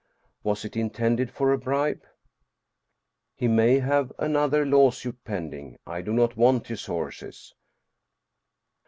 Was it intended for a bribe ? He may have another lawsuit pending. I do not want his horses.